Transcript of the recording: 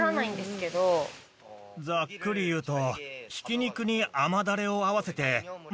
ざっくり言うと。